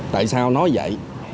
tại sao nói vậy